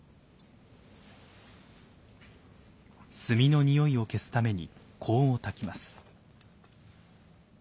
炭の匂いを消すために香をたきます。